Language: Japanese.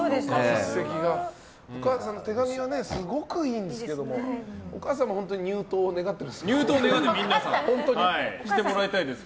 お母さんの手紙はすごくいいんですけどお母様は本当に入党を願ってるんですか？